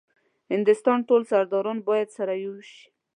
هندوستان ټول سرداران باید سره یو شي.